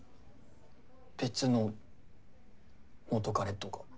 別の元カレとか。